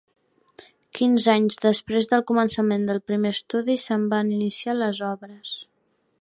Quinze anys després del començament del primer estudi, se'n van iniciar les obres.